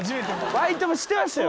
バイトもしてましたよ